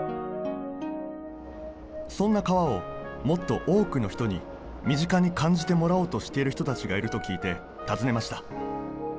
そんな川をもっと多くの人に身近に感じてもらおうとしている人たちがいると聞いて訪ねました